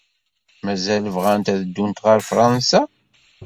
Mazal bɣant ad ddunt ɣer Fṛansa?